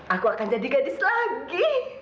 aku akan jadi gadis lagi